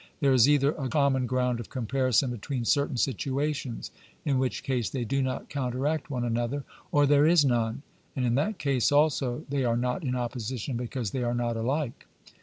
There is either a common ground of comparison between certain situations, in which case they do not counteract one another, or there is none, and in that case also they are not in opposition because they are not alike.